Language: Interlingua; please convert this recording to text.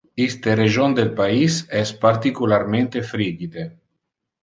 Iste region del pais es particularmente frigide.